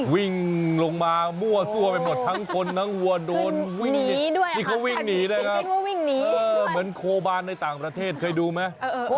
วิ่งลงมามั่วซั่วไปหมดทั้งคนทั้งหัวโดนนี่เขาวิ่งหนีด้วยเหมือนโคบานในต่างประเทศเคยดูมั้ย